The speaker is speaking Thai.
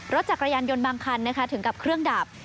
รถจักรยานยนต์บางคันถึงกับเครื่องดับ